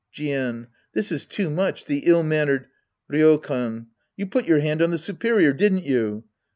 Jien. This is too much, the ill mannered — Ryokan. You put your hand on the superior, did n't you